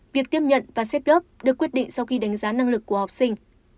việc tiếp nhận và xếp lớp được quyết định sau khi đánh giá năng lực của học sinh